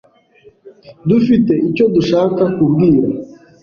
Dufite icyo dushaka kubwira